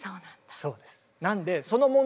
そうです。